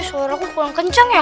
suara aku kurang kencang ya